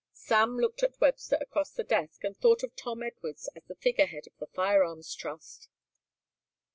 Sam looked at Webster across the desk and thought of Tom Edwards as the figurehead of the firearms trust.